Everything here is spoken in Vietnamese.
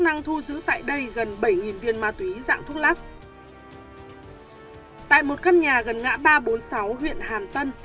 chức năng thu giữ tại đây gần bảy viên ma túy dạng thuốc lắc tại một căn nhà gần ngã ba trăm bốn mươi sáu huyện hàm tân